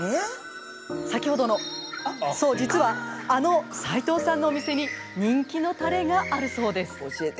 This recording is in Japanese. そう実は、あの齋藤さんのお店に人気のたれがあるそうです。